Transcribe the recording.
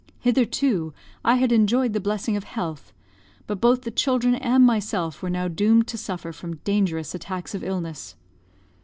Hitherto I had enjoyed the blessing of health; but both the children and myself were now doomed to suffer from dangerous attacks of illness.